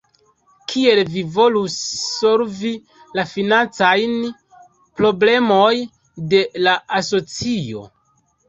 Kiel vi volus solvi la financajn problemoj de la asocio?